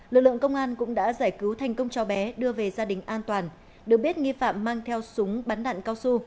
lực lượng công an cũng đã giải cứu thành công cháu bé đưa về gia đình an toàn được biết nghi phạm mang theo súng bắn đạn cao su